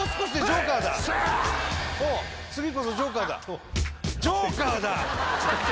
次こそジョーカーだ